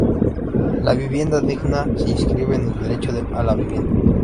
La vivienda digna se inscribe en el derecho a la vivienda.